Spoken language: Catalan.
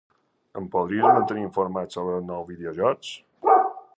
Em podries mantenir informat sobre els nous videojocs?